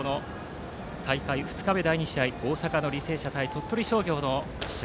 大会２日目の第２試合大阪の履正社対鳥取商業の試合。